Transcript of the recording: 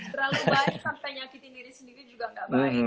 terlalu baik sampai nyakitin diri sendiri juga nggak baik